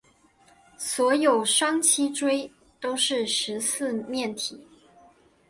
所有双七角锥都是十四面体。